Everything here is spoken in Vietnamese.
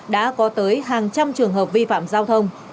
đã có tới hàng trăm trường hợp vi phạm giao thông